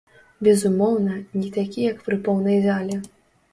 Безумоўна, не такі як пры поўнай зале.